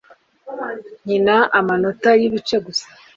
nkina amanota yibice gusa